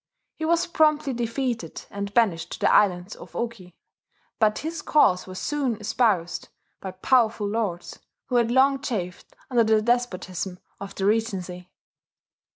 He was promptly defeated, and banished to the islands of Oki; but his cause was soon espoused by powerful lords, who had long chafed under the despotism of the regency.